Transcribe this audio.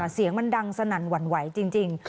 เสียงมันดังสนั่นหวั่นไหวจริง